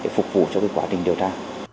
phục vụ cho quá trình điều tra